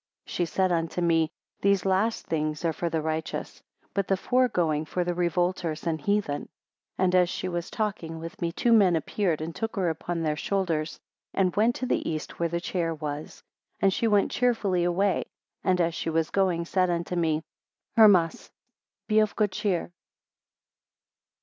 32 She said unto me, these last things are for the righteous, but the foregoing for the revolters and heathen. 33 And as she was talking with me, two men appeared, and took her upon their shoulders, and went to the east where the chair was. 34 And she went cheerfully away; and as she was going, said unto me, Hermas, be of good cheer.